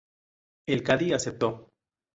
El cadí aceptó.